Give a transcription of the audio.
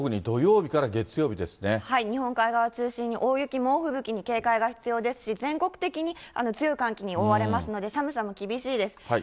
日本海側中心に、大雪、猛吹雪に警戒が必要ですし、全国的に強い寒気に覆われますので、寒さも厳しいです。